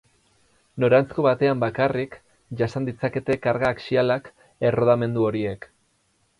Noranzko batean bakarrik jasan ditzakete karga axialak errodamendu horiek.